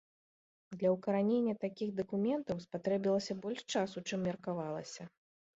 Для ўкаранення такіх дакументаў спатрэбілася больш часу, чым меркавалася.